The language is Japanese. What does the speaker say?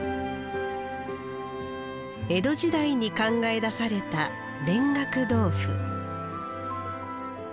江戸時代に考え出された田楽豆腐。